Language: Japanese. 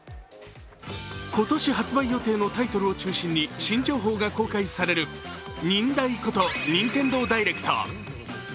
今年発売予定のタイトルを中心に新情報が公開されるニンダイこと「ＮｉｎｔｅｎｄｏＤｉｒｅｃｔ」。